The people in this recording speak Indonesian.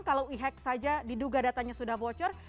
kalau e hack saja diduga datanya sudah bocor